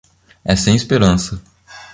É sem esperança.